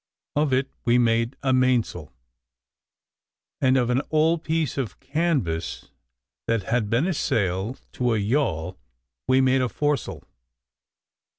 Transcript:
Of it we made a main sail; and of an old piece of canvas, that had been a sail to a yawl, we made a fore sail.